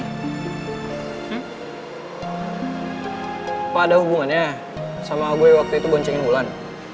apa ada hubungannya sama gue waktu itu boncengin bulan